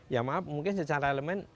ya maaf mungkin secara elemen